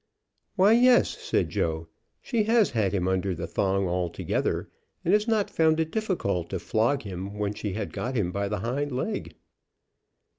"Why, yes," said Joe. "She has had him under the thong altogether, and has not found it difficult to flog him when she had got him by the hind leg."